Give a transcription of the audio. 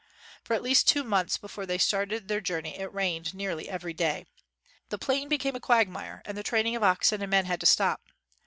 For at least two months before they started on their journey, it rained nearly every day. The plain became a quagmire and the training of oxen and men had to stop.